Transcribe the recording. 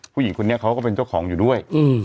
ผู้หญิงคนนี้เขาก็เป็นเจ้าของอยู่ด้วย